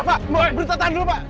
pak pak pak berhenti henti dulu pak